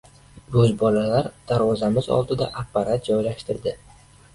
Bo‘zbolalar darvozamiz oldida apparat joylashtirdi.